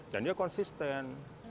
dan dia konsisten